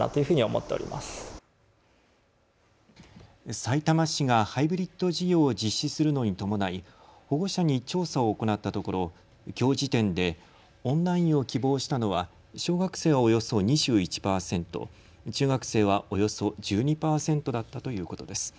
さいたま市がハイブリッド授業を実施するのに伴い保護者に調査を行ったところきょう時点でオンラインを希望したのは小学生はおよそ２１％、中学生はおよそ１２％だったということです。